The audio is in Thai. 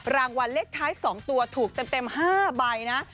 รางวัลเลขท้าย๒ตัวถูกเต็ม๕ใบนะ